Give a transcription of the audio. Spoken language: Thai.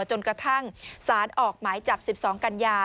จนกระทั่งสารออกหมายจับ๑๒กันยา